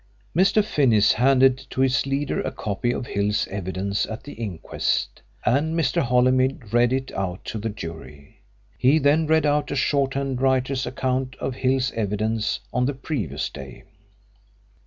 Mr. Finnis handed to his leader a copy of Hill's evidence at the inquest, and Mr. Holymead read it out to the jury. He then read out a shorthand writer's account of Hill's evidence on the previous day.